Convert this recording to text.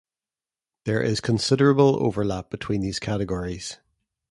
There is considerable overlap between these categories.